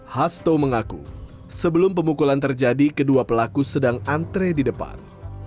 hasto mengaku sebelum pemukulan terjadi kedua pelaku sedang antre di depan